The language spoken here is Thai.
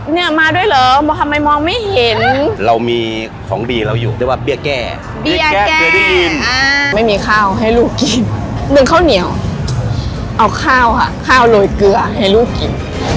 เอาข้าวล่ากลัวให้ลูกกิน